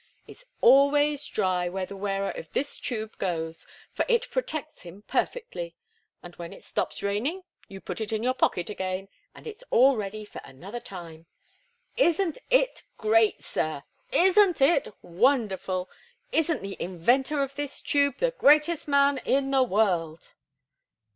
It's always dry where the wearer of this tube goes, for it protects him perfectly. And when it stops raining, you put it in your pocket again and it's all ready for another time. Isn't it great, sir? Isn't it wonderful? Isn't the inventor of this tube the greatest man in the world?"